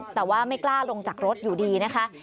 แต่ว่าไม่กล้าลงจากรถอยู่ดีนะคะ